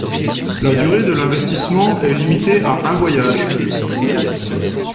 La durée de l'investissement est limitée à un voyage.